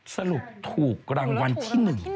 สรุปถูกรางวัลที่๑